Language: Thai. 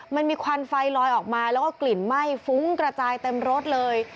มันมีควันไฟลอยออกมาแล้วก็กลิ่นไหม้ฟุ้งกระจายเต็มรถเลย